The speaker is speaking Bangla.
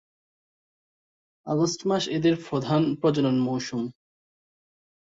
আগস্ট মাস এদের প্রধান প্রজনন মৌসুম।